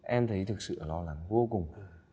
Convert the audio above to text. em thấy thực sự lo lắng vô cùng